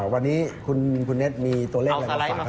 วันนี้คุณเน็ตมีตัวเลขอะไรมาฝากให้ผู้ชม